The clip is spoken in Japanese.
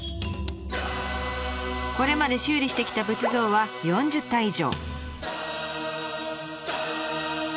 これまで修理してきた仏像は４０体以上。